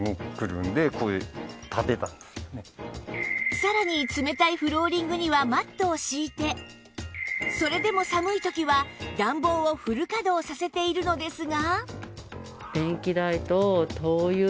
さらに冷たいフローリングにはマットを敷いてそれでも寒い時は暖房をフル稼働させているのですが